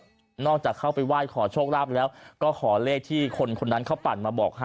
นอกจากเข้าไปไหว้ขอโชคลาภแล้วก็ขอเลขที่คนคนนั้นเขาปั่นมาบอกให้